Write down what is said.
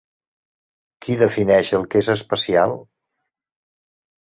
Qui defineix el que és especial?